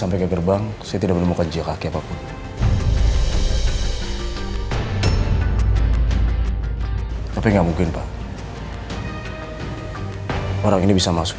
pakai gerbang saya tidak menemukan jiwa kaki apapun tapi nggak mungkin pak orang ini bisa masuk